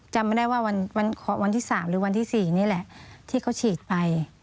จำไม่ได้ว่าวันที่๓หรือวันที่๔นี่แหละที่เขาฉีดไป